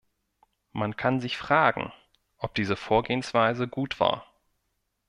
Man kann sich fragen, ob diese Vorgehensweise gut war.